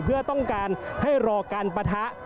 เพื่อต้องการให้รอการปะทะ